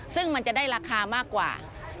ซึ่งมันจะได้ราคามากกว่า